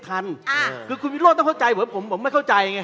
ถ้าบอกว่าคุณแหม่นสุริภาจะเสียใจ